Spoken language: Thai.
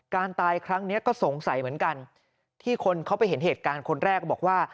การตายครั้งนี้ก็สงสัยเหมือนกันที่คนเขาไปเห็นเหตุการณ์คนแรกก็บอกว่า